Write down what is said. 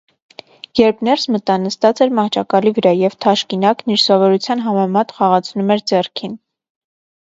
Երբ ներս մտա, նստած էր մահճակալի վրա և թաշկինակն՝ իր սովորության համեմատ՝ խաղացնում էր ձեռքին: